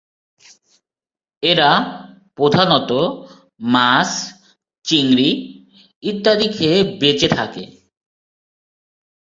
এরা প্রধানত মাছ, চিংড়ি ইত্যাদি খেয়ে বেঁচে থাকে।